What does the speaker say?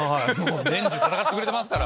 年中闘ってくれてますから。